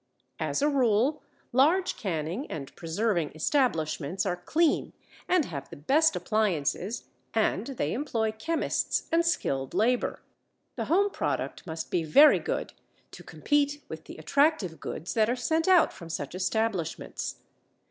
As a rule large canning and preserving establishments are clean and have the best appliances, and they employ chemists and skilled labor. The home product must be very good to compete with the attractive goods that are sent out from such establishments.